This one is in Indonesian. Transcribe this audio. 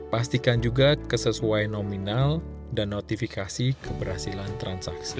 pastikan juga kesesuaian nominal dan notifikasi keberhasilan transaksi